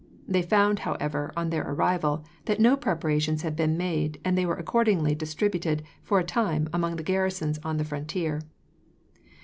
They found, however, on their arrival, that no preparations had been made, and they were accordingly distributed, for a time, among the garrisons on the frontier.